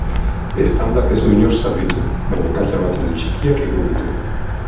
Eztandak ez du inor zauritu, baina kalte-material txikiak egin ditu.